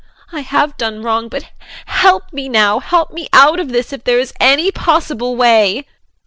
I have done wrong, but help me now. Help me out of this if there is any possible way.